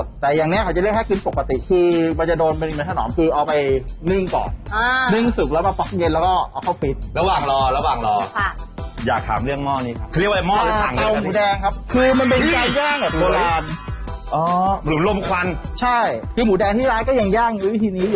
โบราณอ๋อหรือลมควันใช่คือหมูแดงที่ร้ายก็ยังย่างอยู่วิธีนี้อยู่